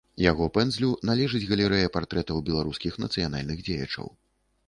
Яго пэндзлю належыць галерэя партрэтаў беларускіх нацыянальных дзеячаў.